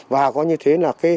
và có như thế là